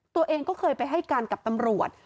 ตัวเองก็เคยไปให้การกับตำรวจ